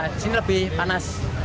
disini lebih panas